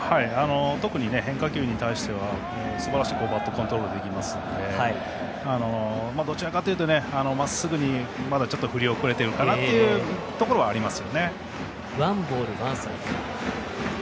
特に変化球に対してはすばらしいバットコントロールができますのでどちらかというと、まっすぐにまだ振り遅れてるかなというところはあります。